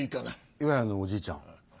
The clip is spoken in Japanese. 岩谷のおじいちゃん。